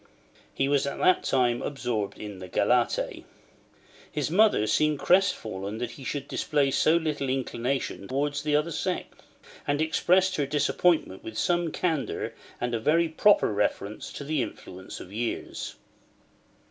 He was at that time absorbed in the galette. His mother seemed crestfallen that he should display so little inclination towards the other sex; and expressed her disappointment with some candour and a very proper reference to the influence of years.